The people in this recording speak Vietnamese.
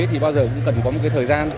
thì bao giờ cũng cần có một thời gian